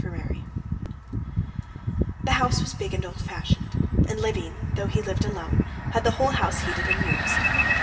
Chapter 27 The house was big and old fashioned, and Levin, though he lived alone, had the whole house heated and used.